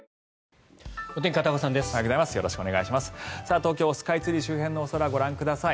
東京、スカイツリー周辺のお空ご覧ください。